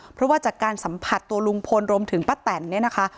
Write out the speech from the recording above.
เพราะว่าจากการสัมผัสตัวลุงพลรวมถึงป้าแตนเนี่ยนะคะ